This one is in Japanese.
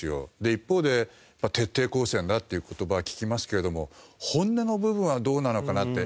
一方で徹底抗戦だっていう言葉聞きますけれども本音の部分はどうなのかなって。